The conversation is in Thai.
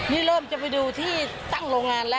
นี่เริ่มจะไปดูที่ตั้งโรงงานแล้ว